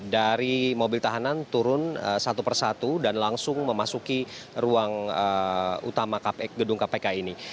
dari mobil tahanan turun satu persatu dan langsung memasuki ruang utama gedung kpk ini